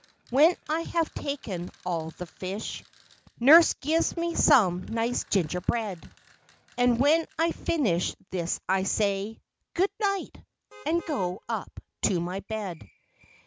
When I have taken all the fish, Nurse gives me some nice gingerbread, And when I've finished this I say "Good night" and go up to my bed.